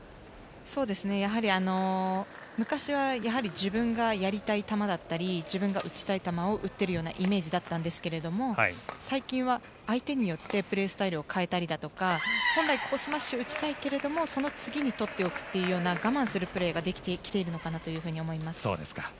やはり昔は自分がやりたい球だったり自分が打ちたい球を打っているようなイメージだったんですが最近は相手によってプレースタイルを変えたりだとか本来ここスマッシュ打ちたいけれどもその次に取っておくという我慢するプレーができてきているのかなと思います。